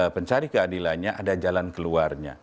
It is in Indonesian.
pencari keadilannya ada jalan keluarnya